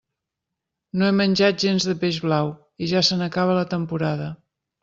No he menjat gens de peix blau i ja se n'acaba la temporada.